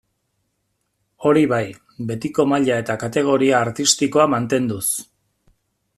Hori bai, betiko maila eta kategoria artistikoa mantenduz.